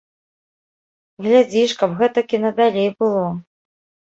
Глядзі ж, каб гэтак і надалей было.